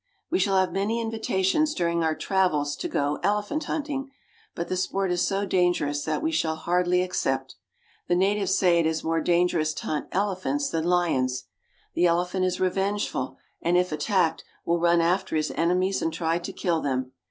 We shall have many invitations during our travels to go elephant hunting, but the sport is so dangerous that we shall hardly accept. The natives say it is more dangerous to hunt elephants than lions. The elephant is revengeful, and, if attacked, will run after his enemies and try to kill them.